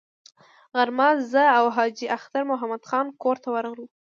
غرمه زه او حاجي اختر محمد خان کور ته ورغلو.